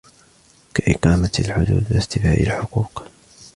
كَإِقَامَةِ الْحُدُودِ وَاسْتِيفَاءِ الْحُقُوقِ